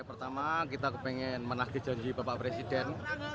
pertama kita ingin menagih janji bapak presiden